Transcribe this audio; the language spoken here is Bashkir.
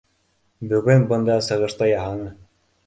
Бөгөн бында сығыш та яһаны